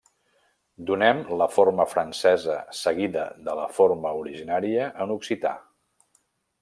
Donem la forma francesa seguida de la forma originària en occità.